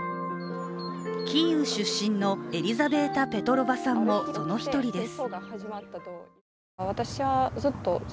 キーウ出身のエリザベータ・ペトロヴァさんもその１人です。